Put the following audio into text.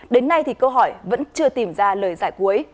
đến nay thì câu hỏi vẫn chưa tìm ra lời giải cuối